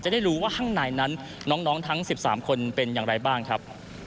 ได้รู้ว่าข้างในนั้นน้องทั้ง๑๓คนเป็นอย่างไรบ้างครับ